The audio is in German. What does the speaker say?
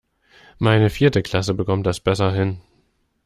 Meine vierte Klasse bekommt das besser hin.